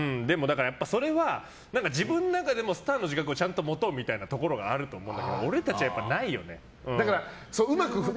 それは自分の中でもスターの自覚をちゃんと持とうみたいなところがあると思うんだけど俺たちはないよね。